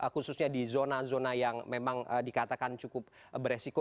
khususnya di zona zona yang memang dikatakan cukup beresiko